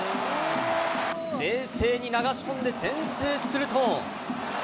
冷静に流し込んで先制すると。